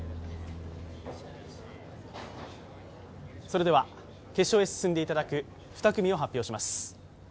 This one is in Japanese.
それでは決勝へ進んでいただく二組を発表します